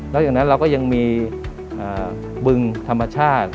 แล้วอย่างนั้นเราก็ยังมีบึงธรรมชาติ